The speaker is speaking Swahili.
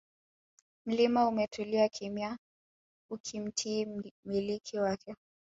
Mlima umetulia kimya ukimtii mmiliki wake